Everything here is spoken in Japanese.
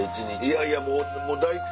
いやいやもう大体。